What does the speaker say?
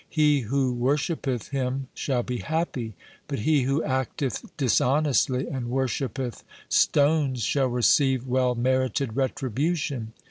He who worshippeth Him shall be happy ; but he who acteth dishonestly and worshippeth stones shall receive well merited retribution.